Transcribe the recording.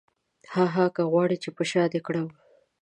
هاهاها که غواړې چې په شاه دې کړم.